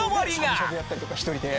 しゃぶしゃぶやったりとか１人で。